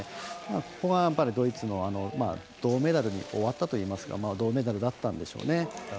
ここは、ドイツ、銅メダルに終わったといいますか銅メダルだったんでしょうね。